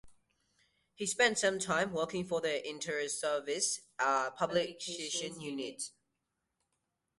He spent some time working for the Inter Services Publications Unit.